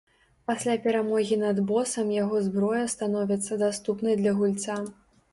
Пасля перамогі над босам яго зброя становіцца даступнай для гульца.